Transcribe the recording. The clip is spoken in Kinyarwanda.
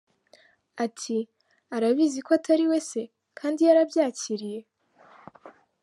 Ati “Arabizi ko atari we se, kandi yarabyakiriye.